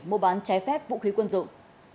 mua bán trái phép vũ khí quân dụng